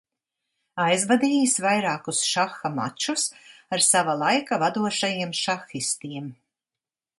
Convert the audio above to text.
Aizvadījis vairākus šaha mačus ar sava laika vadošajiem šahistiem.